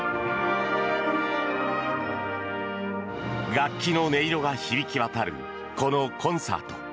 楽器の音色が響き渡るこのコンサート。